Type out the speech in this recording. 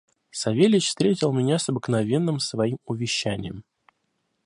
Савельич встретил меня с обыкновенным своим увещанием.